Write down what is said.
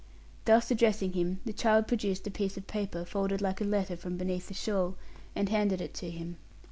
Thus addressing him, the child produced a piece of paper, folded like a letter, from beneath the shawl, and handed it to him.